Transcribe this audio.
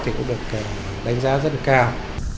thì cũng được đánh giá rất là cao